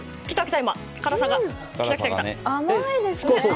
甘いですよね。